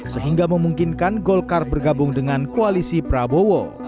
sehingga memungkinkan golkar bergabung dengan koalisi prabowo